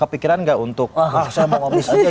karena kan nggak untuk ah saya mau ngemis aja gitu